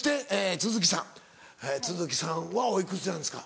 都筑さんはおいくつなんですか？